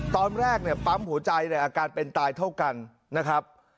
ตอนแรกเนี่ยปั๊มหัวใจในอาการเป็นตายเท่ากันนะครับ